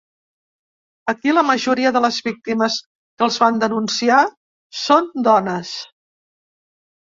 Aquí, la majoria de les víctimes que els van denunciar són dones.